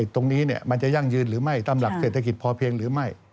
ตรงนี้มันจะยั่งยืนหรือไม่ตามหลักเศรษฐกิจพอเพียงหรือไม่